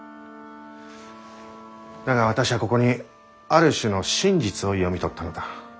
だが私はここにある種の真実を読み取ったのだ。